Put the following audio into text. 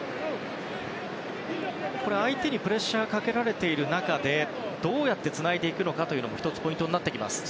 相手にプレッシャーをかけられている中でどうやってつないでいくのかも１つ、ポイントになってきます。